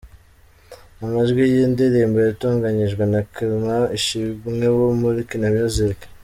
Amajwi y’iyi ndirimbo yatunganyijwe na Clement Ishimwe wo muri Kina Music.